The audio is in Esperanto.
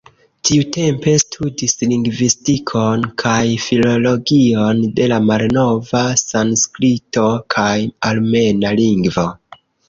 Tiutempe studis lingvistikon kaj filologion de la malnova sanskrito kaj armena lingvo.